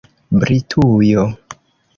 britujo